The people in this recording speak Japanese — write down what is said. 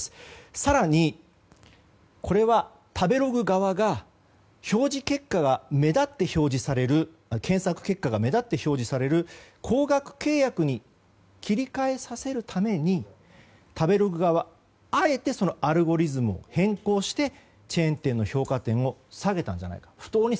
更に食べログ側が表示結果が目立って表示される検索結果が目立って表示される高額契約に切り替えさせるために食べログ側があえてアルゴリズムを変更してチェーン店の評価点を不当に下げたんじゃないかと。